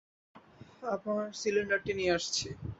আমার সিলিন্ডারটা নিয়ে আসছি।